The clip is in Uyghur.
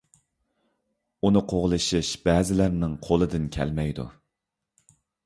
ئۇنى قوغلىشىش بەزىلەرنىڭ قولىدىن كەلمەيدۇ.